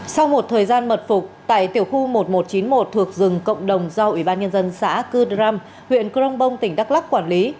sau một thời gian mật phục tại tiểu khu một nghìn một trăm chín mươi một thuộc rừng cộng đồng do ủy ban nhân dân xã cư đram huyện crong bong tỉnh đắk lắc quản lý